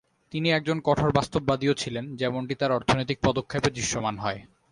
তিনি একজন কঠোর বাস্তববাদীও ছিলেন, যেমনটি তাঁর অর্থনৈতিক পদক্ষেপে দৃশ্যমান হয়।